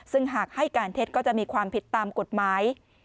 ซึ่งหากให้การเท็จก็จะมีความผิดตามกฎหมาย